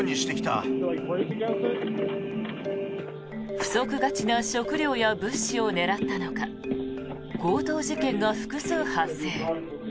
不足がちな食料や物資を狙ったのか強盗事件が複数発生。